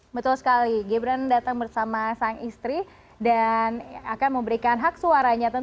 betul sekali gibran datang bersama sang istri dan akan memberikan hak suaranya